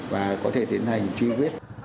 và có thể tiến hành truy quyết